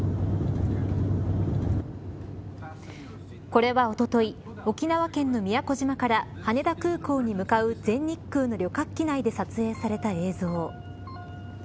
これは、おととい沖縄県の宮古島から羽田空港に向かう全日空の旅客機内で撮影された映像。